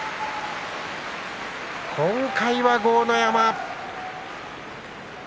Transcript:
今回は豪ノ山。